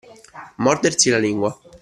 Mordersi la lingua.